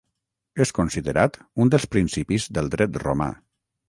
És considerat un dels principis del Dret romà.